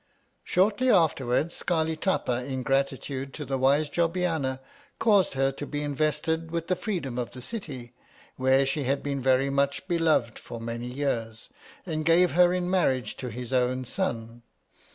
Shortly afterwards, Scarli Tapa in grati tude to the wise Jobbiana, caused her to be invested with the freedom of the City — where she had been very much beloved for many years — and gave her in marriage to his own son.